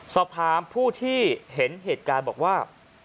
สอบถามผู้ที่เห็นเหตุการณ์บอกว่า